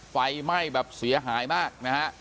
ไฟไหม้แบบเสียหายมากนะฮะ